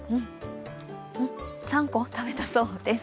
３個食べたそうです。